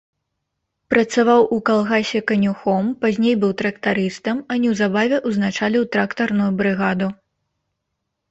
Працаваў у калгасе канюхом, пазней быў трактарыстам, а неўзабаве ўзначаліў трактарную брыгаду.